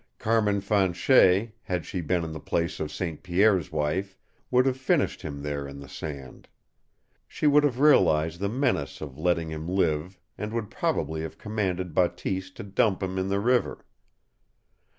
Carmin Fanchet, had she been in the place of St. Pierre's wife, would have finished him there in the sand. She would have realized the menace of letting him live and would probably have commanded Bateese to dump him in the river.